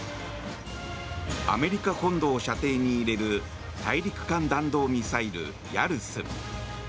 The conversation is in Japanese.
アメリカ本土を射程に入れる大陸間弾道ミサイル、ヤルス。